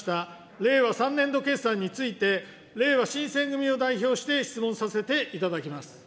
令和３年度決算について、れいわ新選組を代表して質問させていただきます。